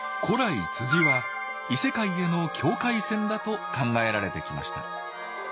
古来は異世界への境界線だと考えられてきました。